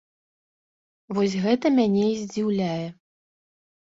Вось гэта мяне і здзіўляе.